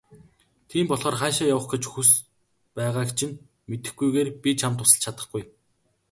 Тийм болохоор хаашаа явах гэж хүс байгааг чинь мэдэхгүйгээр би чамд тусалж чадахгүй.